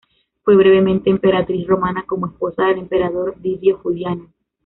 Fue brevemente emperatriz romana como esposa del emperador Didio Juliano.